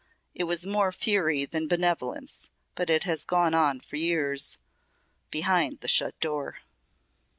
It was more fury than benevolence, but it has gone on for years behind the shut door."